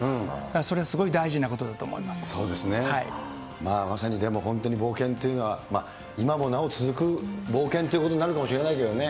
それはすごい大事なことだと思いまさにでも本当に冒険っていうのは、今もなお続く冒険ということになるかもしれないけどね。